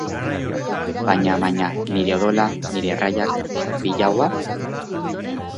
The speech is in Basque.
Baina-baina... nire odola, nire erraiak, bilaua?